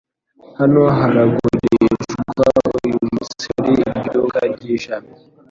Hano haragurishwa uyumunsi muri iryo duka ryishami.